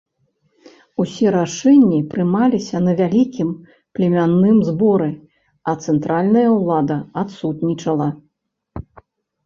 Усе рашэнні прымаліся на вялікім племянным зборы, а цэнтральная ўлада адсутнічала.